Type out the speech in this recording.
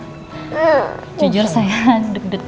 sejujurnya saya sangat sedih